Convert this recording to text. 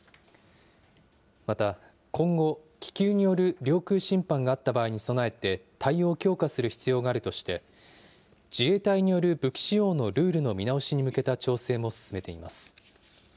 また、今後、気球による領空侵犯があった場合に備えて、対応を強化する必要があるとして、自衛隊による武器使用のルールの見直しに向けた調整も進めています。